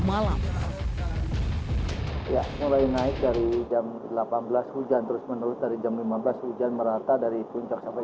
malam ya mulai naik dari jam delapan belas hujan terus menurut dari jam lima belas hujan merata dari puncak sampai